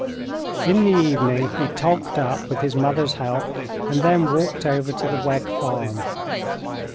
In the evening he "togged up," with his mother's help, and then walked over to the Wegg farm.